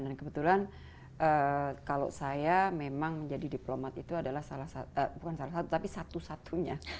dan kebetulan kalau saya memang menjadi diplomat itu adalah salah satu bukan salah satu tapi satu satunya